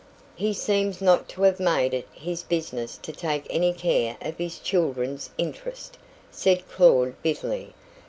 "He seems not to have made it his business to take any care of his children's interests," said Claud bitterly.